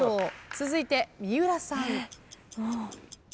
続いて三浦さん。